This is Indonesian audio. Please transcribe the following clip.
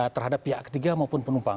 terhadap pihak ketiga maupun penumpang